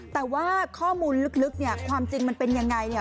แต่ว่าข้อมูลลึกความจริงเป็นยังไง